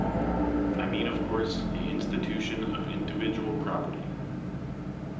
I mean, of course, the institution of individual property.